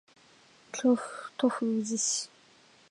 京都府宇治市